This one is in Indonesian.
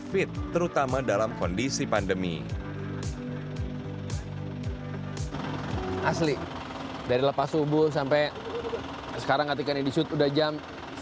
fit terutama dalam kondisi pandemi asli dari lepas subuh sampai sekarang hati hati sudah jam sebelas tiga puluh lima